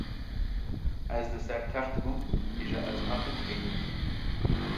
Ez li ser text bûm, îja ez hatime xênî.